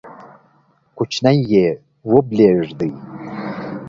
کوچنی یې وبلېږدی،